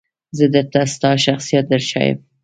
زه درته ستا شخصیت درښایم .